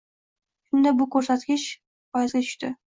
Shunda bu ko'rsatkich % ga tushdi...